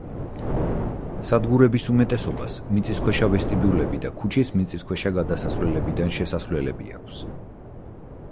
სადგურების უმეტესობას მიწისქვეშა ვესტიბიულები და ქუჩის მიწისქვეშა გადასასვლელებიდან შესასვლელები აქვს.